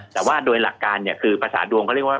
แต่ว่าโดยหลักการเนี่ยคือภาษาดวงเขาเรียกว่า